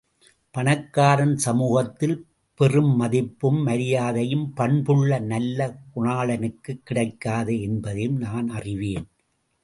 பணக்காரன் சமூகத்தில் பெறும் மதிப்பும் மரியாதையும் பண்புள்ள நல்ல குணாளனுக்குக் கிடைக்காது என்பதையும் நான் அறிவேன்.